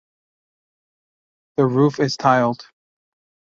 The roof is tiled.